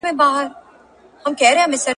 ژوند د یو هدف درلودل دي.